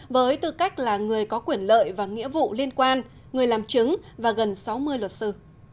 với tư cách là người có quyền lợi và nghĩa vụ liên quan người làm chứng và gần sáu mươi luật sư